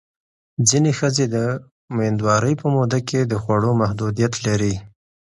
ځینې ښځې د مېندوارۍ په موده کې د خوړو محدودیت لري.